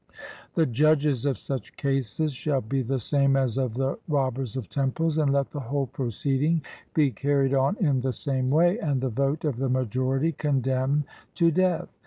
The judges of such cases shall be the same as of the robbers of temples; and let the whole proceeding be carried on in the same way, and the vote of the majority condemn to death.